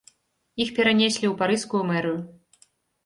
Іх перанеслі ў парыжскую мэрыю.